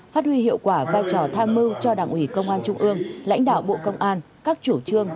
phát huy hiệu quả vai trò tham mưu cho đảng ủy công an trung ương lãnh đạo bộ công an các chủ trương